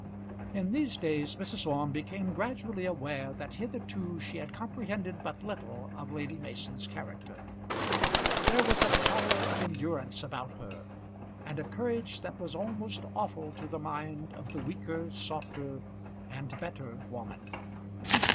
In these days Mrs. Orme became gradually aware that hitherto she had comprehended but little of Lady Mason's character. There was a power of endurance about her, and a courage that was almost awful to the mind of the weaker, softer, and better woman.